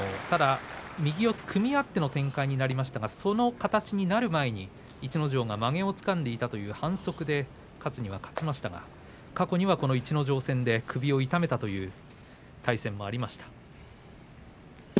ただ右四つ組み合っての展開になりましたがその形になる前に逸ノ城がまげをつかんでいたという反則で勝つには勝ちましたが過去にはこの逸ノ城戦で、首を痛めたという対戦もありました。